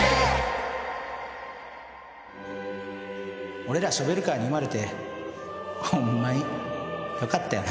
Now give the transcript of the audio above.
俺らショベルカーに生まれてホンマによかったよな。